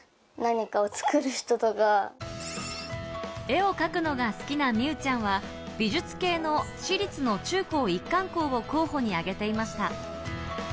絵を描くのが好きな美羽ちゃんは美術系の私立の中高一貫校を候補に挙げていました。